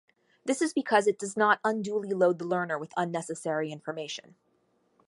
This is because it does not unduly load the learner with unnecessary information.